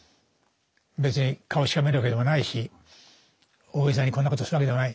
別に顔しかめるわけでもないし大げさにこんなことするわけでもない。